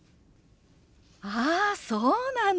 ああそうなの。